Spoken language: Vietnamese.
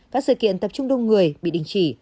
các sự kiện tập trung đông người bị đình chỉ